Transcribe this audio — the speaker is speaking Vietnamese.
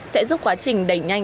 sẽ giúp quá trình đẩy nhanh